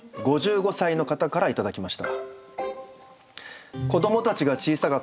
５５歳の方から頂きました。